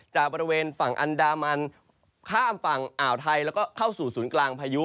จากบริเวณฝั่งอันดามันข้ามฝั่งอ่าวไทยแล้วก็เข้าสู่ศูนย์กลางพายุ